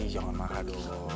jangan marah dulu